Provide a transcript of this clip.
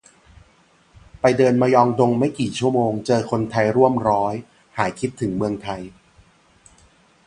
ไปเดินมยองดงไม่กี่ชั่วโมง เจอคนไทยร่วมร้อย หายคิดถึงเมืองไทย